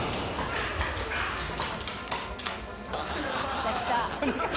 「来た来た」